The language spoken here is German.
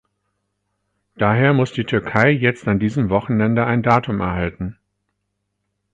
Daher muss die Türkei jetzt an diesem Wochenende ein Datum erhalten.